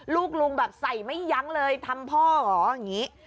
ลูกลุงแบบใส่ไม่ยั้งเลยทำพ่อเหรออย่างนี้